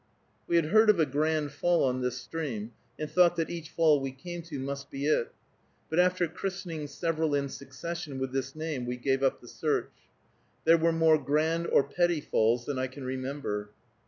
We had heard of a Grand Fall on this stream, and thought that each fall we came to must be it, but after christening several in succession with this name, we gave up the search. There were more Grand or Petty Falls than I can remember.